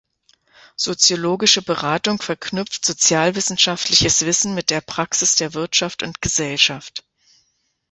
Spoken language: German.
Soziologische Beratung verknüpft sozialwissenschaftliches Wissen mit der Praxis der Wirtschaft und Gesellschaft.